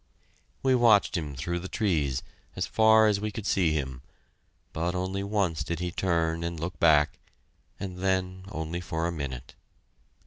We watched him through the trees, as far as we could see him, but only once did he turn and look back and then only for a minute.